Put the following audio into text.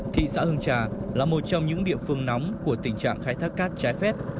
thị xã hương trà là một trong những địa phương nóng của tình trạng khai thác cát trái phép